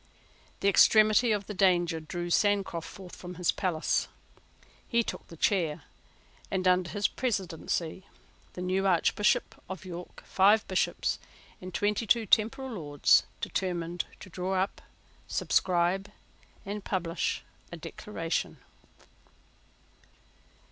The extremity of the danger drew Sancroft forth from his palace. He took the chair; and, under his presidency, the new Archbishop of York, five Bishops, and twenty two temporal Lords, determined to draw up, subscribe, and publish a Declaration.